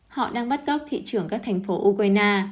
họ đang bắt góc thị trưởng các thành phố ukraine